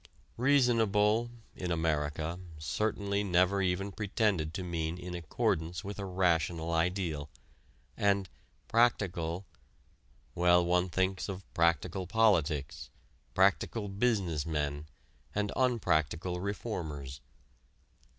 "Reasonable" in America certainly never even pretended to mean in accordance with a rational ideal, and "practical," well one thinks of "practical politics," "practical business men," and "unpractical reformers."